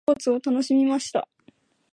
友達とスポーツを楽しみました。